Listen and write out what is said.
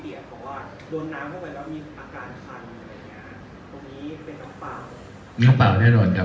ตรงนี้เป็นน้ำเปล่าน้ำเปล่าแน่นอนครับแค่นี้เนี้ย